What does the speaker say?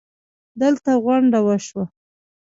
دلته غونډه وشوه